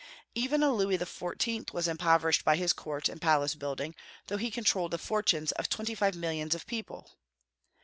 Even a Louis XIV. was impoverished by his court and palace building, though he controlled the fortunes of twenty five millions of people.